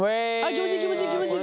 気持ちいい気持ちいい気持ちいい。